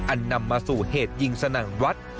นำมาสู่เหตุยิงสนั่นวัด